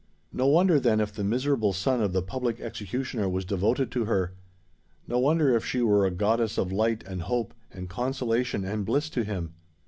No wonder, then, if the miserable son of the public executioner was devoted to her: no wonder if she were a goddess of light, and hope, and consolation, and bliss to him!